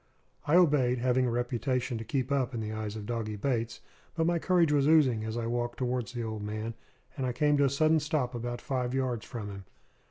I obeyed, having a reputation to keep up in the eyes of Doggy Bates; but my courage was oozing as I walked towards the old man, and I came to a sudden stop about five yards from him.